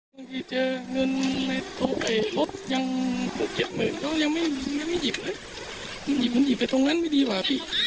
เมื่อกี้เจอเงินในโทษไปลบยังไม่หยิบเลยหยิบไปตรงนั้นไม่ดีกว่าพี่